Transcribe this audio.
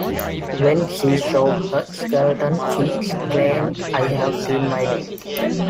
When she saw her skeleton she exclaimed I have seen my death!